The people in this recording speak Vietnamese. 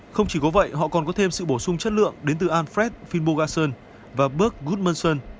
không chỉ có vậy họ còn có thêm sự bổ sung chất lượng đến từ alfred finbogason và berg gudmson